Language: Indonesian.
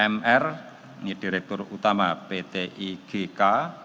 mr ini direktur utama ptigk